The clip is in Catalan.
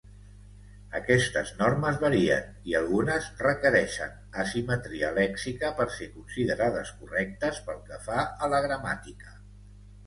Aquestes normes varien, i algunes requereixen asimetria lèxica per ser considerades correctes pel que fa a la gramàtica.